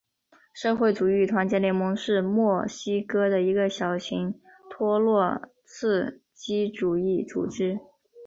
社会主义团结联盟是墨西哥的一个小型托洛茨基主义组织。